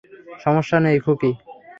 সমস্যা নেই, খুকি।